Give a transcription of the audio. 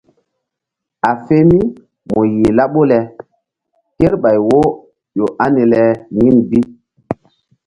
A fe mí mu yih laɓu le kerɓay wo ƴo ani le yin bi.